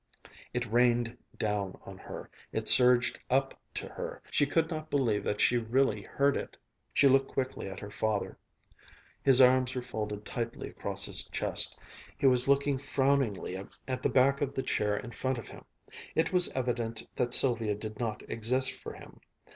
It rained down on her, it surged up to her, she could not believe that she really heard it. She looked quickly at her father. His arms were folded tightly across his chest. He was looking frowningly at the back of the chair in front of him. It was evident that Sylvia did not exist for him.